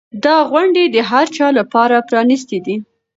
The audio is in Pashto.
دا غونډې د هر چا لپاره پرانیستې دي.